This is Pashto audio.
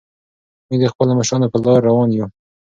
موږ د خپلو مشرانو په لارو روان یو.